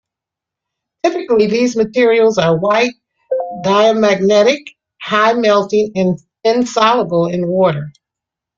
Typically these materials are white, diamagnetic, high-melting, and insoluble in water.